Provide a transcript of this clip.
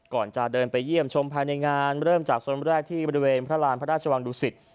ก่อนจะเดินไปเยี่ยมชมภายในงานเริ่มจากโซนแรกที่บริเวณพระราณพระราชวังดุสิต